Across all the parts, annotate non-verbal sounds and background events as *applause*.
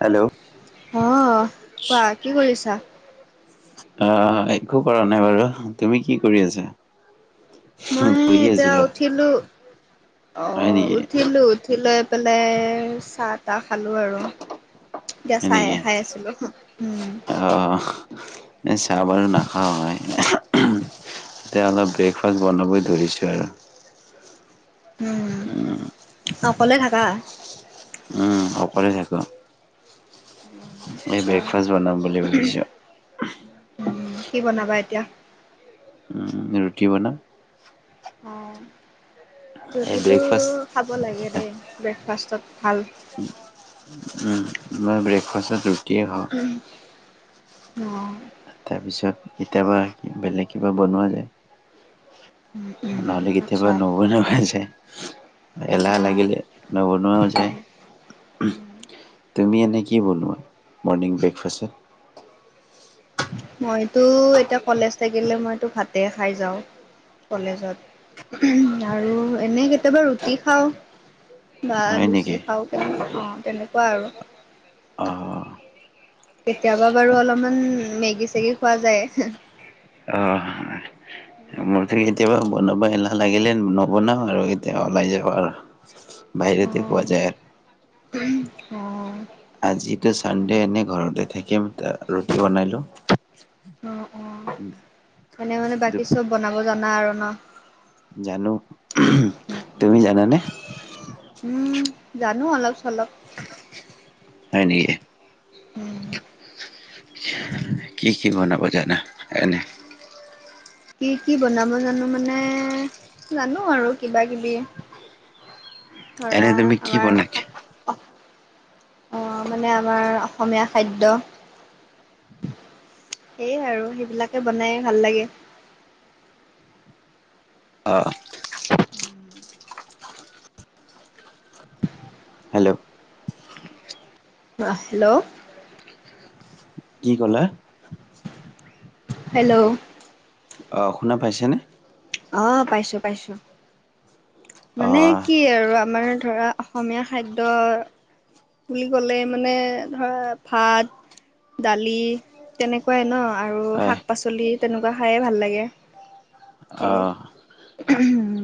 Hello আহ কোৱা কি কৰিছা? আহ একো কৰা নাই বাৰু তুমি কি কৰি আছা? মই বহি এতিয়া আছিলা উঠিলো হয় অ' নেকি উঠিলো। উঠি লৈ পেলাই চাহ তাহ খালোঁ আৰু। এতিয়া চাই খাই আছিলো উম। অ' চাহ বাৰু নাখাওঁ মই এতিয়া অলপ ব্ৰেকফাষ্ট বনাবই ধৰিছো আৰু উম অকলে থাকা উম অকলে থাকো এই আচ্ছা ব্ৰেকফাষ্ট বনাম বুলি ভাবিছো উম কি বনাবা এতিয়া উম‌ ৰুটি বনাম অ' এই ৰুটিটো ব্ৰেকফাষ্ট খাব লাগে দেই ব্ৰেকফাষ্টত ভাল। উম মই ব্ৰেকফাষ্টত ৰুটিয়ে খাওঁ। উম অ তাৰপিছত কেতিয়াবা বেলেগ কিবা বনোৱা যায়। উম, উম, নহ'লে কেতিয়াবা আচ্ছা, নবনাৱো যাই। এলাহ অ', লাগিলে নবনোৱা যায়। উম। উম। তুমি এনে কি বলোৱা‌ মৰ্ণিং ব্ৰেকফাষ্টত? মইতো এতিয়া কলেজ থাকিলে মইতো ভাতে খাই যাওঁ। কলেজত আৰু এনে কেতিয়াবা ৰুটি খাওঁ। বা হয় লুচি নেকি খাও কেনে অ তেনেকুৱা আৰু অ অ, কেতিয়াবা বাৰু অলপমান মেগী চেগি খোৱা যায়। অ *inaudible* মূঠি কেতিয়াবা বনাবা এলা লাগিলে নবনাও আৰু কেতিয়াবা ওলাই যাব আৰু অ বাহিৰতে খোৱা যায় আৰু অ আজিতো চানডে এনে ঘৰতে থাকিম ৰুটি বনাই লও। অ অ এনে মানে বাকী চব বনাব জানা আৰু ন। জানো তুমি জানানে। উম জানো অলপ চলপ। হয় নেকি। উম, কি কি বনাব জানা এনে। কি কি বনাব জানো মানে জানো আৰু কিবা কিবি। ধৰা এনে তুমি কি আমাৰ বনাই অসম অ মানে আমাৰ অসমীয়া খাদ্য। সেইয়াই আৰু সেইবিলাকে বনাই ভাল লাগে। অ, হেল্ল', অ হেল্ল', কি ক'লা। হেল্ল', অ শুনা পাইছেনে। অ পাইছো পাইছো। অ মানে কি আৰু আমাৰ ধৰা অসমীয়া খাদ্য। বুলি ক'লে মানে ধৰা ভাত দালি। তেনেকুৱাই ন আৰু হয় শাক পাচলি তেনেকুৱা খায়েই ভাল লাগে। অ সেয়ে।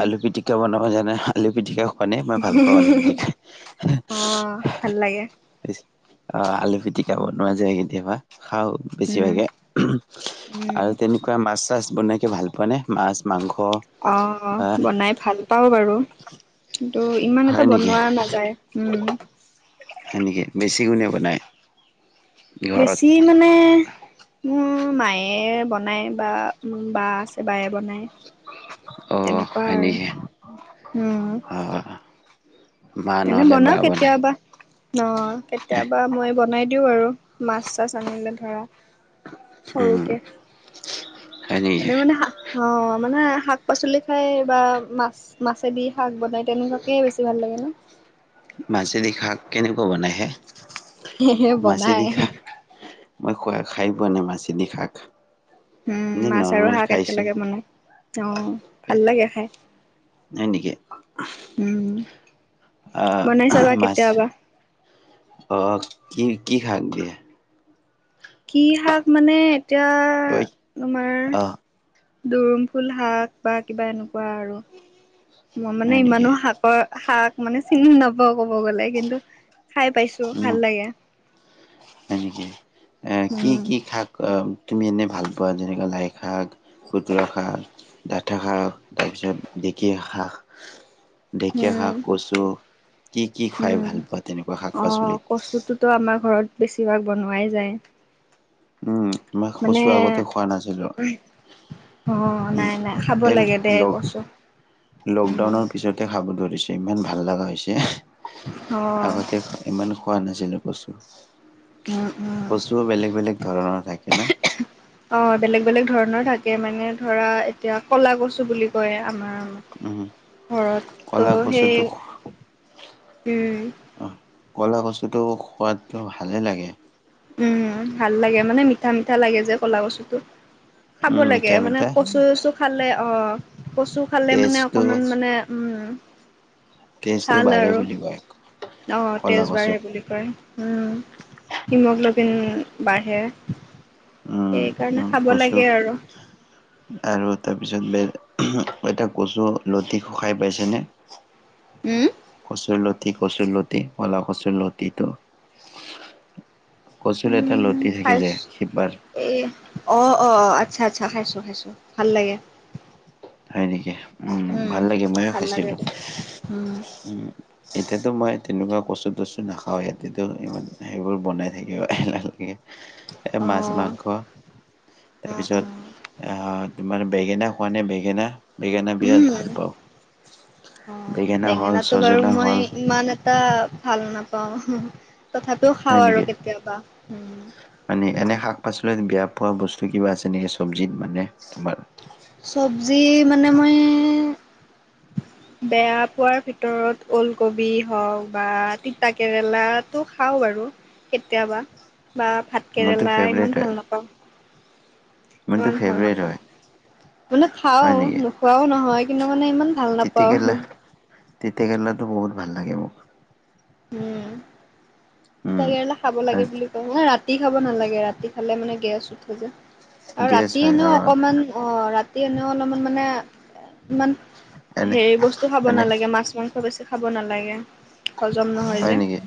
আলু পিটিকা বনাব জানে আলু পিটিকা মানে মই ভাল পাওঁ আলু পিটিকা খাই, অ' ভাল লাগে। অ আলু পিটিকা বনোৱা যায় কেতিয়াবা খাও, উম বেছিভাগে উম। আৰু তেনেকুৱা মাছ চাছ বনই ভাল পোৱা নে মাছ মাংস। অ বা বনাই ভাল পাওঁ বাৰু কিন্তু ইমান এটা হয় বনোৱা নাযায়। উম, সেনেকে বেছি কোনে বনাই। ঘৰত বেছি মানে মোৰ মায়ে বনায় বা মোৰ বা আছে বায়ে বনায়। অ তেনেকুৱা হয় আৰু নেকি উম, অ মা এনে নহ'লে বা বনাও বনাই কেতিয়াবা। ন কেতিয়াবা মই বনাই দিওঁ আৰু মাছ চাছ আনিলে ধৰা, উম সৰুকে হয় নেকি এনে মানে অ মানে শাক পাচলি খাই বা মাছ। মাছেদি শাক বনাই তেনেকুৱাকে বেছি ভাল লাগে ন মাছেদি শাক কেনেকুৱা বনাই হে সেয়েহে বনাই। মাছেদি শাক মই খোৱা খাই পোৱা নাই মাছে দি শাক উম এনে মাছ আৰু নৰ্মেল শাক খাইছো একেলগে বনাই অ ভাল লাগে খাই। হয় নেকি উম, অ বনাই চাবা মাছ কেতিয়াবা। অ কি কি শাক দিয়ে কি শাক মানে এতিয়া ঐ তোমাৰ অ দৰুম ফুল শাক বা কিবা এনেকুৱা আৰু মই হয় মানে নেকি ইমানো শাক ক শাক মানে চিনি নাপাও কব গ'লে কিন্তু খাই পাইছো উম, ভাল লাগে। হয় নেকি এ কি উম কি শাক অ তুমি এনেই ভাল পোৱা যেনেকৈ লাই শাক, খুতুৰা শাক, ডাঠা শাক তাৰপিছত ঢেকীয়া শাক ঢেকীয়া উম শাক, কচু কি কি খাই উম ভাল পোৱা তেনেকুৱা শাক পাচলিত? তো আমাৰ ঘৰত বেছিভাগ বনোৱাই যায়। উম মই মানে কচু আগতে খোৱা নাছিলো। অ উম, নাই নাই খাব এই লাগে দে লগ কচু লকডাউনৰ পিছতে খাব ধৰিছো ইমান ভাল লগা অ হৈছে আগতে ইমান খোৱা নাছিলোঁ কচু উম উম কচুও বেলেগ বেলেগ ধৰণৰ থাকে ন অ বেলেগ বেলেগ ধৰণৰ থাকে মানে ধৰা এতিয়া কলা কচু বুলি কয় উম, আমাৰ ঘৰত ত ক'লা কচুটো সেই উম অহ ক'লা কচুটো সোৱাদটো ভালে লাগে উম ভাল লাগে মানে মিঠা মিঠা লাগে যে ক'লা কচুটো খাব উম, লাগে মিঠা মানে মিঠা কচু চচু খালে অ কচু খালে মানে তেজটো অকমান মানে উম তেজটো ভাল বাঢ়ে আৰু বুলি কয়। অ ক'লা তেজ বাঢ়ে কচুত বুলি কয় উম। হিমগ্ল'বিন বাঢ়ে। উম সেইকাৰণে উম খাব কচু লাগে আৰু আৰু তাৰপিছত বে এটা কচু লতি খাই পাইছেনে উম কচুৰ লতি কচুৰ লতি কলা কচুৰ লতিটো কচু এটা লতি থাকে খাইছ যে শিপাৰ এই অ অ আচ্ছা আচ্ছা খাইছোঁ খাইছোঁ ভাল লাগে। হয় নেকি উম ভাল লাগে ময়ে ভাল লাগে খাইছিলো দে উম উম। এতিয়াতো মই তেনেকুৱা কচু টচু নাখাওঁৱে এতিয়াতো ইমান সেইবোৰ বনাই থাকিব এলাহ লাগে। এ অ মাছ, মাংস অ অ তাৰপিছত আহ তোমাৰ বেঙেনা খোৱা নে বেঙেনা বেঙেনা বিৰাট উম ভাল পাওঁ অ বেঙেনা হ'ল, সজিনা হ'ল টা ভাল নাপাওঁ তথাপিও খাওঁ হয় আৰু নেকি কেতিয়াবা উম। মানে এনে শাক পাচলিত বেয়া পোৱা বস্তু কিবা আছে নেকি চবজিত মানে তোমাৰ চবজি মানে মই বেয়া পোৱাৰ ভিতৰত ওলকবি হওক বা তিতা কেৰেলাটো খাওঁ বাৰু। কেতিয়াবা বা মোৰতো ভাতকেৰেলা ফেভৰেট ইমান ভাল নাপাওঁ। মোৰটো ইমান ভাল ফেভৰেট নাপাওঁ হয়। মানে খাওঁ হয় নেকি নোখোৱাও নহয় কিন্তু মানে ইমান ভাল নাপাওঁ। তিতা কেৰেলা টো বহুত ভাল লাগে মো। উম উম তিতা কেৰেলা খাব লাগে বুলি নহয় ৰাতি খাব নালাগে ৰাতি খালে মানে গেছ উঠে যে। আৰু গেছ ৰাতি হয় অ এনেও অকমান অ ৰাতি এনেও অলপমান মানে। ইমান এনে হেৰি বস্তু খাব এনে নালাগে মাছ মাংস বেছি খাব নালাগে। হজম নহয় হয় যে নেকি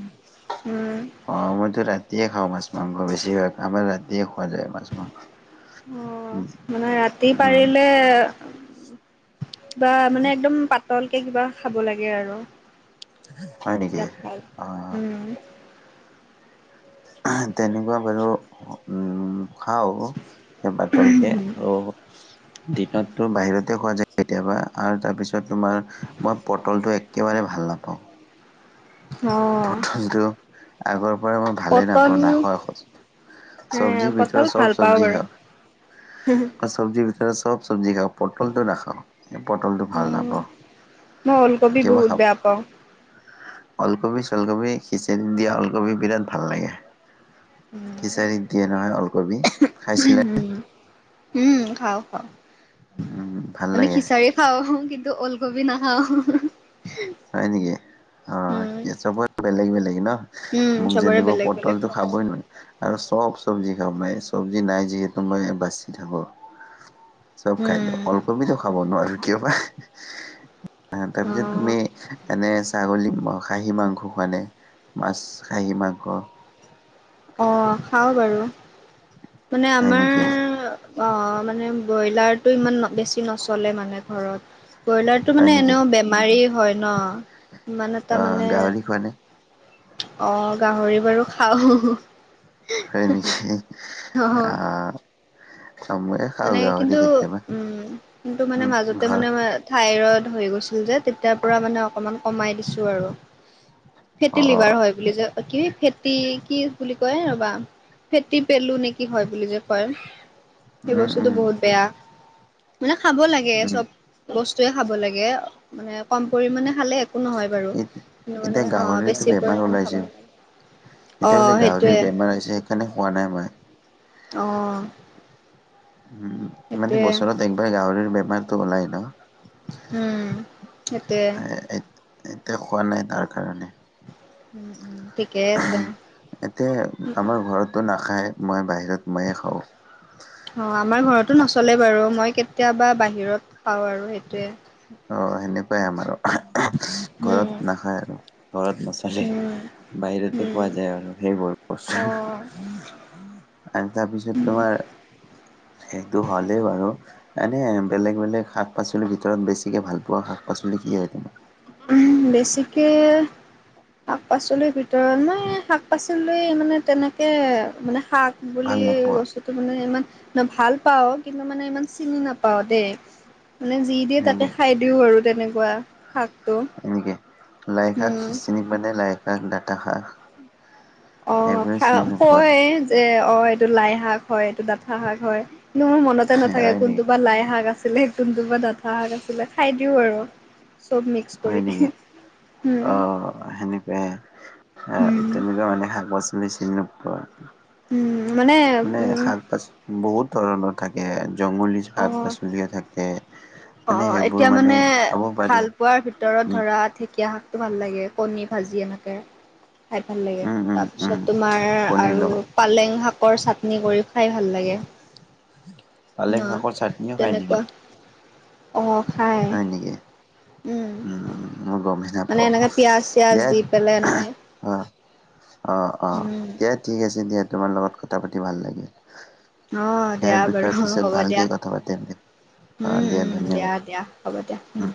উম অ মইতো ৰাতিয়ে খাওঁ মাছ, মাংস, বেছিভাগ আমাৰ ৰাতিয়ে খোৱা যায় মাছ মাংস। অ মানে ৰাতি উম পাৰিলে কিবা মানে একদম পাতলকে কিবা খাব লাগে। আৰু হয় নেকি তেতিয়া ভাল অ উম। তেনেকুৱা বাৰু খাওঁ সেই পাতলকে আৰু দিনতো বাহিৰতে খোৱা যায় কেতিয়াবা আৰু তাৰপিছত- তাৰছত তোমাৰ মই পটলটো, একেবাৰে ভাল নাপাওঁ। অ পটলটো আগৰ পৰাই মই ভালেই পটল নাপাওঁ নাখাও খজ এ চব্জি বিতৰত চব চব্জি খাওঁ। উম চব্জী বিতৰত চব চব্জী খাওঁ পৰ্টলতো নাখাওঁ পটলটো অ ভাল নাপাওঁ মই উলকবি বহুত বেয়া পাওঁ। লকবি- চলকবি খিচৰি দিয়া ওলকবি বিৰাট ভাল লাগে উম খিচাৰীত দিয়ে নহয় ওলকবি খাইছিলাই। উম উম খাও খাওঁ উম ভাল মানে লাগে খিচাৰি- খাওঁ কিন্তু ওলকবি নাখাওঁ। হয় নেকি? অ উম, চব বেলেগ বেলেগ ন উম, মোক চবৰে যেনেকুৱা বেলেগ বেলেগ পটলটো- খাবই নোৱাৰি আৰু চব চব্জি খাব চব্জি নাই যিহেতু মই বাচি থাকো। *inaudible* চব খাইদিও উম, উলকবি খাব নোৱাৰ কিয় বা তাৰপিছত অ', তুমি- নে ছাগলী খাহী মাংস খোৱানে মাছ খাহী মাংস, অ খাওঁ বাৰু মানে হয় আমাৰ নেকি অ মানে ব্ৰইলাৰতটো, ইমান বেছি নচলে মানে ঘৰত- ব্ৰইলাৰতো হয় মানে নেকি এনেও বেমাৰী হয় ন ইমান এটা অ', মানে- গাহৰি খোৱা নে? অ গাহৰি, বাৰু খাওঁ হয় নেকি অ', আহ আ ময়ো মানে কিন্তু উম কিন্তু মানে উম, মাজতে মানে ঘৰত মই। থঠাইৰড হৈ গৈছিল যে তেতিয়াৰ পৰা মানে অকণমান কমাই দিছোঁ। আৰু ফেটি লিভাৰ অ', হয় বুলি যে। কি হয় ফেটি কি বুলি কয় ৰবা ফেটি পেলো নেকি হয় বুলি যে কয়। সেই উম, বস্তুতটো উম, বহুত বেয়া মানে খাব লাগে উম, চব- বস্তুুৱে খাব লাগে মানে কম পৰিমণে খালে- একো নহয় বাৰু কিন্তু মানে এতিয়া গাহৰিতো বেছি বেমাৰ পৰিমান খাৱ ওলাইছে নালাগে। অ এতিয়া বোলে গাহৰি, সেইটোৱে বেমাৰ আহিছে সেইকাৰণে হোৱা নাই মই অ, উম মানে সেইটোৱে বছৰত একবাৰ গাহৰিৰ বেমাৰতো ওলাই ন উম সিহঁতে এ এতিয়া খোৱা নাই তাৰ কাৰণে- ওম ওম এতিয়া আমাৰ ঘৰতো নাখায় মই বাহিৰত ময়ে খাওঁ। অ আমাৰ ঘৰতো নচলেই বাৰু, মই কেতিয়াবা বাহিৰত খাওঁ আৰু সেইটোৱে। অ সেনেকুৱাই আমাৰো, উম ঘৰত নাখায় আৰু। ঘৰত নচলে উম বাহিৰতে খোৱা যায় আৰু সেইবোৰ উম অ বস্তু। আৰু তাৰপিছত তোমাৰ সেইটো হ'লেই বাৰু এনেই বেলেগ বেলেগ শাক পাচলিৰ ভিতৰত বেছি বেছিকে ভাল পোৱা শাক পাচলি কি হয় তোমাৰ? উম বেছিকে শাক পাচলিৰ ভিতৰত মই শাক পাচলি মানে তেনেকে মানে শাক বুলি ভাল নোপোৱা বস্তুটো মানে ইমান ভাল পাওঁ, কিন্তু মানে ইমান চিনি নাপাও দেই। মানে যি দিয়ে হয় তাকে নেকি? খাই দিও আৰু তেনেকুৱা শাক। এনেকে লাই শাক চিনি পায় নে লাই হাক ডাটা শাক? অ এইবোৰে খাওঁ চিনি নোপোৱা কয় যে অ এইটো লাই শাক হয় এইটো ডাঠা শাক হয় কিন্তু মোৰ মনত মনতে নাথাকে হয় কোনটো নেকি বা লাই শাক আছিলে কোনটো বা ডাঠা শাক আছিলে, খায় দিও আৰু। চব মিক্স হয় কৰি নেকি উম্। অ সেনেকুৱাই এ উম তেনেকুৱা মানে শাক পাচলি চিনি নোপোৱা? উম মানে উম শাক পাচলি বহুত ধৰণৰ থাকে জংগলী শাক অ পাচলিয়ে থাকে অ মানে সেইবোৰ এতিয়া মানে খাব পাৰি ভাল পোৱাৰ ভিতৰত উম ধৰা ঢেকীয়া শাক টো ভাল লাগে কণী ভাজি এনেকে। খায় ভাল লাগে উম উম তাৰপিছত উম তোমাৰ কণীৰ আৰু লগত পালেং শাকৰ চাটনি কৰি খায় ভাল লাগে। ন পালেং শাকৰ চাটনিও খায় নেকি? অঁ খায়। হয় নেকি উম মই গমেই মানে নাপাওঁ এনেকে পিয়াজ চিয়াজ দে দি পেলাই এনেকে অ অ অ উম। দিয়া ঠিক আছে দিয়া তোমাৰ লগত কথা পাতি ভাল লাগিল। অ ইয়াৰ দিয়া বাৰু বিষয়ে অ পিছত হ'ব ভালকে দিয়া কথা পাতিম দে অ উম উম দিয়া ধন্যবাদ। দিয়া। হ'ব দিয়া উম্।